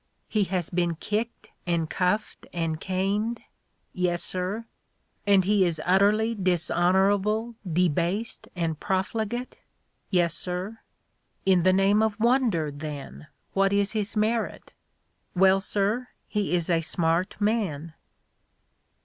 'He has been kicked, and cuffed, and caned?' 'Yes, sir. '' And he is utterly dishonorable, debased and prof ligate?' 'Yes, sir.' 'In the name of wonder, then, what is his merit?' '"Well, sir, he is a smart man.'